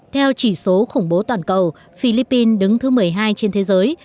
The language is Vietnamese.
theo chỉ số khủng bố toàn cầu philippines đứng thứ một mươi hai trên thế giới